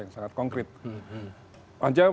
yang sangat konkret panja masih ya